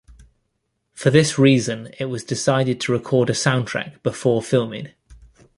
For this reason it was decided to record a soundtrack before filming.